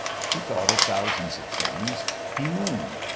He thought of thousands of things. He mooned.